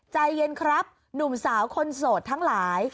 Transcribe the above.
ใจเย็นครับหนุ่มสาวคนโสดทั้งหลาย